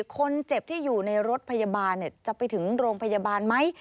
คนเจ็บที่อยู่ในรถพยาบาลจะไปถึงโรงพยาบาลไหม